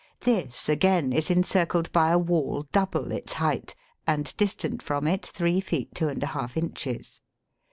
This, again, is encircled by a wall double its height, and distant from it 3 feet 2^ inches.